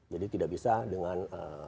jadi tidak bisa dengan